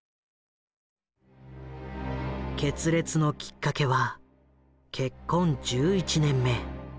決裂のきっかけは結婚１１年目。